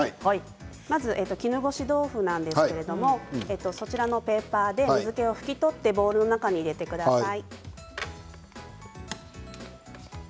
まず絹ごし豆腐ですがペーパーで水けを拭き取ってボウルの中に入れてください。